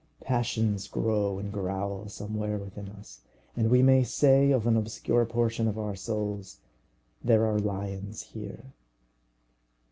Passions grow and growl somewhere within us, and we may say of an obscure portion of our souls, "There are lions here."